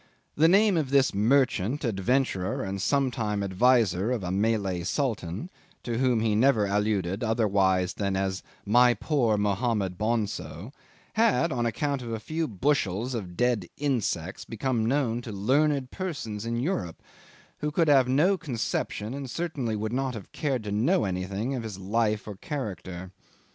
The name of this merchant, adventurer, sometime adviser of a Malay sultan (to whom he never alluded otherwise than as "my poor Mohammed Bonso"), had, on account of a few bushels of dead insects, become known to learned persons in Europe, who could have had no conception, and certainly would not have cared to know anything, of his life or character.